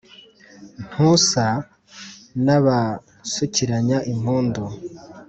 ntusa n’abasukiranya impundu